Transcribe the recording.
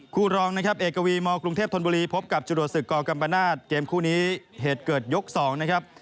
รองนะครับเอกวีมกรุงเทพธนบุรีพบกับจรวดศึกกกรรมนาศเกมคู่นี้เหตุเกิดยก๒นะครับ